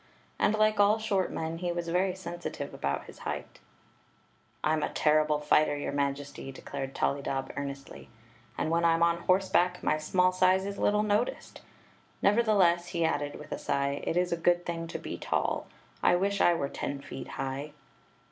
And, like all short men, he was very senutive about his height. "I 'm a terrible fighter, your Majesty," declared ToUydob, earnestly; "and when I 'm on horseback my small size is little noticed. Nevertheless," he added, with a sigh, it is a good thing to be tall I wish I were ten feet high.